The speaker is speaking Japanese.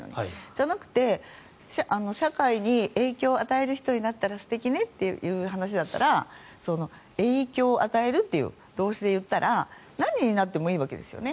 じゃなくて社会に影響を与える人になったら素敵ねっていう話だったら影響を与えるという動詞で言ったら何になってもいいわけですね。